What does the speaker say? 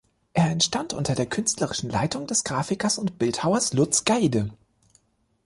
Er entstand unter der künstlerischen Leitung des Grafikers und Bildhauers Lutz Gaede.